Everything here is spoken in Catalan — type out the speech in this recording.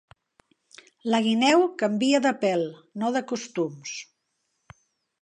La guineu canvia de pèl, no de costums.